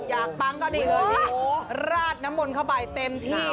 อยากปังก็ได้เลยราดน้ำมนตร์เข้าไปเต็มที่